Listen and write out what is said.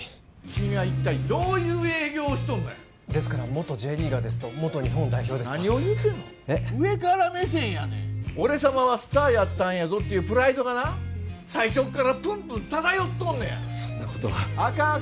君は一体どういう営業をしとんのやですから元Ｊリーガーですと元日本代表ですと何を言うてんのえっ上から目線やねん俺様はスターやったんやぞっていうプライドがな最初っからプンプン漂っとんのやそんなことはあかん